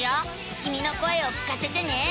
きみの声を聞かせてね。